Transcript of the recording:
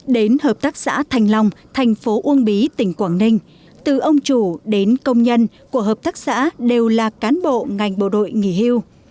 đến hợp tác xã thành long thành phố uông bí tỉnh quảng ninh từ ông chủ đến công nhân của hợp tác xã đều là cán bộ ngành bộ đội nghỉ hưu